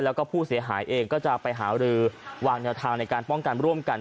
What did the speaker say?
แล้วก็ผู้เสียหายเองก็จะไปหารือวางแนวทางในการป้องกันร่วมกัน